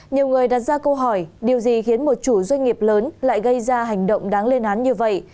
nhiều người đặt ra câu hỏi điều gì khiến một chủ doanh nghiệp lớn lại gây ra hành động đáng lên án như vậy